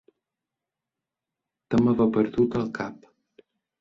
Tem haver perdut el cap.